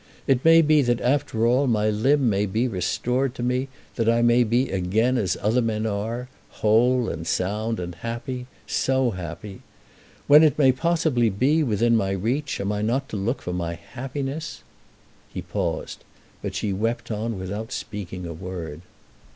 It may be that after all my limb may be restored to me, that I may be again as other men are, whole, and sound, and happy; so happy! When it may possibly be within my reach am I not to look for my happiness?" He paused, but she wept on without speaking a word.